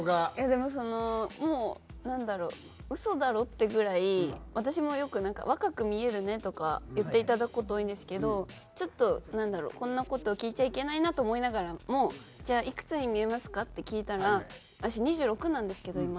でもそのもうなんだろう嘘だろってぐらい私もよく「若く見えるね」とか言っていただく事多いんですけどちょっとなんだろうこんな事聞いちゃいけないなと思いながらも「じゃあいくつに見えますか？」って聞いたら私２６なんですけど今。